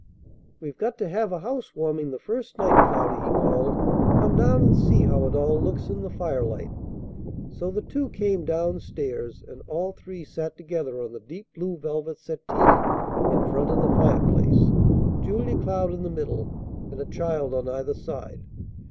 "We've got to have a housewarming the first night, Cloudy," he called. "Come down and see how it all looks in the firelight." So the two came down stairs, and all three sat together on the deep blue velvet settee in front of the fireplace, Julia Cloud in the middle and a child on either side.